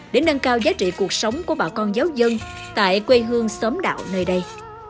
để nâng cao giá trị cuộc sống của bà con giáo dân tại quê hương xóm đạo nơi đây